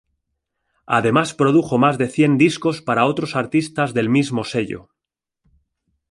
Además produjo más de cien discos para otros artistas del mismo sello.